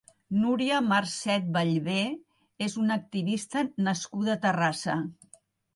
Nuria Marcet Ballber és una activista nascuda a Terrassa.